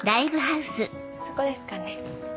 そこですかね。